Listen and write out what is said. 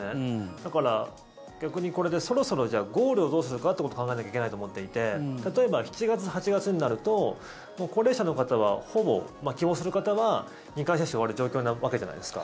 だから、逆にこれでそろそろゴールをどうするかということを考えないといけないと思っていて例えば７月、８月になると高齢者の方はほぼ、希望する方は２回接種終わる状況なわけじゃないですか。